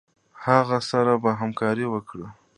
هغه سره به همکاري وکړي.